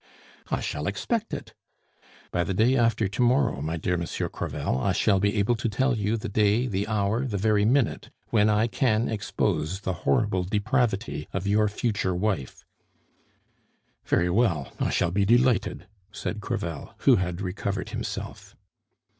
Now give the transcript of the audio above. "I shall expect it." "By the day after to morrow, my dear Monsieur Crevel, I shall be able to tell you the day, the hour, the very minute when I can expose the horrible depravity of your future wife." "Very well; I shall be delighted," said Crevel, who had recovered himself.